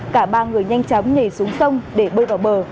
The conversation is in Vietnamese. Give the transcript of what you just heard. cả ba người nhanh chóng nhảy xuống sông để bơi vào bờ